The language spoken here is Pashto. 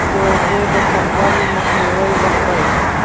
د اوبو د کموالي مخنیوی وکړئ.